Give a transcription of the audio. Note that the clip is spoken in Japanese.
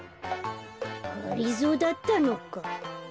がりぞーだったのか。